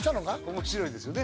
面白いですよね